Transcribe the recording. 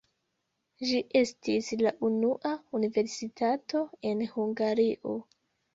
Ĝi estis la unua universitato en Hungario.